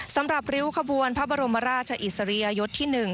สำหรับริ้วขบวนพระบรมมหราชอิสรียยศที่๑